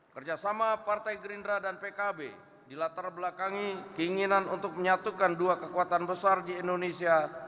kerjasama partai gerindra dan pkb dilatar belakangi keinginan untuk menyatukan dua kekuatan besar di indonesia